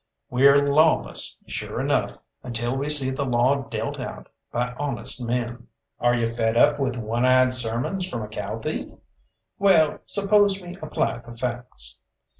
We're lawless, sure enough, until we see the law dealt out by honest men. Are you fed up with one eyed sermons from a cow thief? Well, suppose we apply the facts.